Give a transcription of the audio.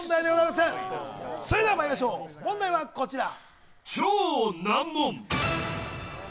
まいりましょう、問題はこちら。